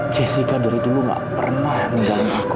jessica dari dulu gak pernah meninggalin aku